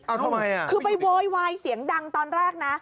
ทำไมน่ะไม่อยู่ดีกว่าคือไปโวยวายเสียงดังตอนแรกนะ